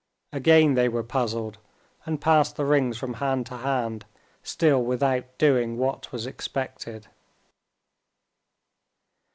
Again they were puzzled, and passed the rings from hand to hand, still without doing what was expected.